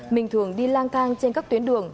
mình thường đi lang thang trên các tuyến đường